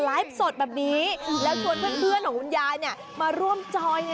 อายุเป็นเพียงแค่ตัวเลขนะจ๊ะ